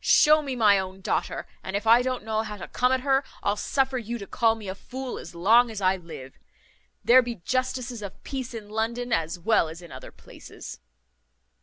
Shew me my own daughter, and if I don't know how to come at her, I'll suffer you to call me a fool as long as I live. There be justices of peace in London, as well as in other places."